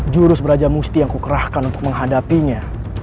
jurus brajamusti yang kukerahkan untuk menghadapinya